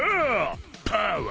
パワー！